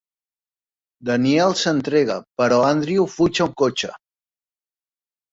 Danielle s'entrega però Andrew fuig en cotxe.